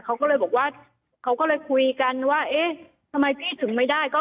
เขาก็เลยบอกว่าเขาก็เลยคุยกันว่าเอ๊ะทำไมพี่ถึงไม่ได้ก็